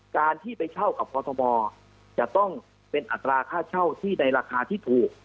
การที่ไปเช่ากับกรทมจะต้องเป็นอัตราค่าเช่าที่ในราคาที่ถูก